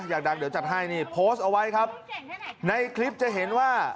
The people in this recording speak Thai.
อยากดังเดี๋ยวจัดให้นี่โพสต์เอาไว้ครับในคลิปจะเห็นว่า